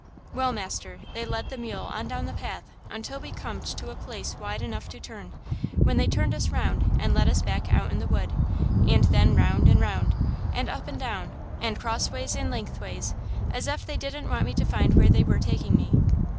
"Well, master, they led the mule on down the path until we comed to a place wide enough to turn, when they turned us round and led us back outen the wood, and then 'round and round, and up and down, and crossways and lengthways, as ef they didn't want me to find where they were taking me.